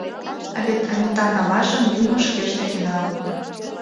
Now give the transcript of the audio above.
А вет Анитан аважым Юмо Шкеж деке налын.